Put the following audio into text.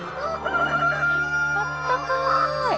あったかい。